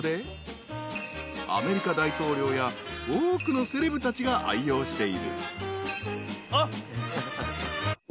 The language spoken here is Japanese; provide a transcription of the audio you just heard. ［アメリカ大統領や多くのセレブたちが愛用している］